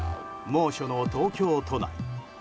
猛暑の東京都内。